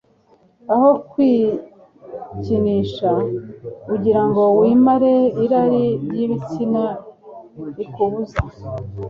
Aho kwikinisha ugira ngo wimare irari ry ibitsina rikubuza